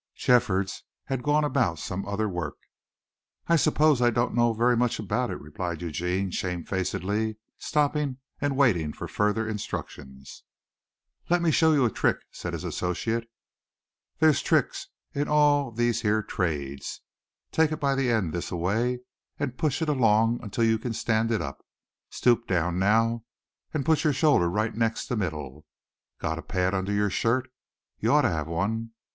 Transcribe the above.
Jeffords had gone about some other work. "I suppose I don't know very much about it," replied Eugene shamefacedly stopping and waiting for further instructions. "Lemme show you a trick," said his associate. "There's tricks in all these here trades. Take it by the end this a way, and push it along until you can stand it up. Stoop down now and put your shoulder right next the middle. Gotta pad under your shirt? You oughtta have one.